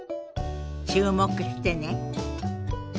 注目してね。